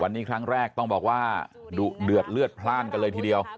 วันนี้ครั้งแรกต้องบอกว่าดุเดือดเลือดพลาดกันเลยทีเดียว